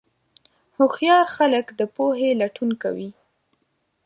هوښیار خلک د پوهې لټون کوي.